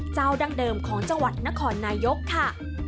ดั้งเดิมของจังหวัดนครนายกค่ะ